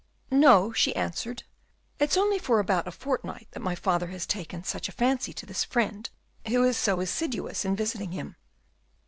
"No," she answered; "it's only for about a fortnight that my father has taken such a fancy to this friend who is so assiduous in visiting him."